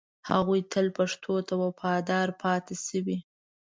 هغوی تل پښتو ته وفادار پاتې شوي